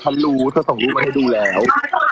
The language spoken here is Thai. ฉันรู้เธอส่งรูปมาให้ดูแล้ว